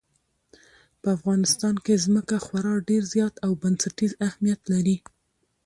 په افغانستان کې ځمکه خورا ډېر زیات او بنسټیز اهمیت لري.